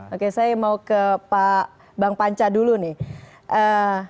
oke saya mau ke bang panca dulu nih